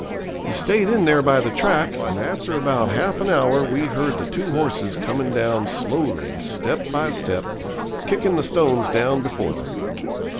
We stayed in there by the track, and after about half an hour we heard the two horses coming down slowly, step by step, kicking the stones down before them.